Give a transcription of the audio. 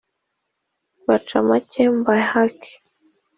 bace make mbahake